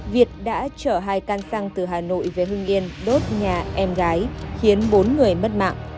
việt đã chở hai can xăng từ hà nội về hương yên đốt nhà em gái khiến bốn người mất mạng